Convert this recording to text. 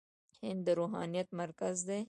هند د روحانيت مرکز دی.